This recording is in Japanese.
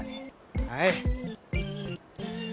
はい。